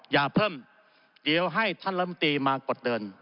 อย่าเพิ่มเดี๋ยวให้ท่านลำตีมากดเดิน